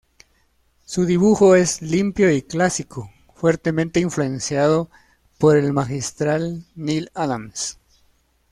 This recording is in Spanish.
Su dibujo es ""limpio y clásico, fuertemente influenciado por el magistral Neal Adams"".